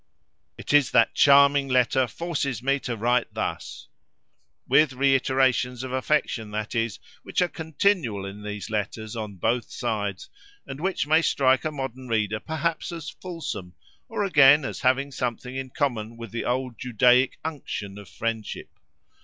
It is that charming letter forces me to write thus:" with reiterations of affection, that is, which are continual in these letters, on both sides, and which may strike a modern reader perhaps as fulsome; or, again, as having something in common with the old Judaic unction of friendship.